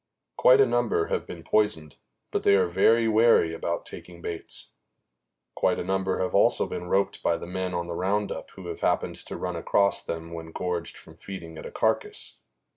Quite a number have been poisoned, but they are very wary about taking baits. Quite a number also have been roped by the men on the round up who have happened to run across them when gorged from feeding at a carcass.